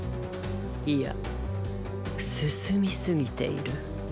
いや進みすぎている。